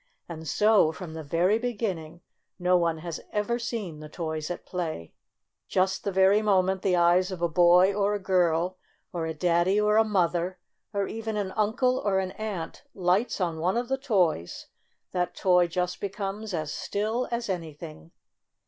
And so, from the very beginning, no one has ever seen the toys at play. Just the very moment the eyes of a boy or a girl, or a daddy or a mother, or even an uncle FUN IN TOY TOWN 11 or an aunt, lights on one of the toys, that toy just becomes as still as anything.